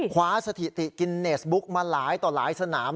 สถิติกินเนสบุ๊กมาหลายต่อหลายสนาม